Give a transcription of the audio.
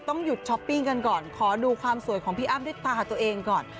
ต้องหยุดช้อปปิ้งกันก่อนขอดูความสวยของพี่อ้ำด้วยตาตัวเองก่อน